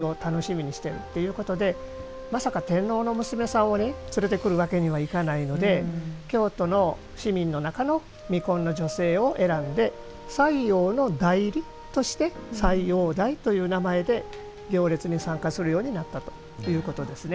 １９５６年という年に観光客の人たちもにぎわいを楽しみにしているということでまさか天皇の娘さんを連れてくるわけにはいかないので京都の市民の中の未婚の女性を選んで斎王の代理として斎王代という名前で行列に参加するようになったということですね。